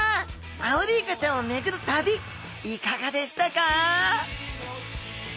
アオリイカちゃんをめぐる旅いかがでしたか？